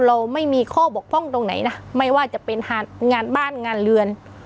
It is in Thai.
เราไม่มีข้อบกพร่องตรงไหนนะไม่ว่าจะเป็นงานบ้านงานเรือน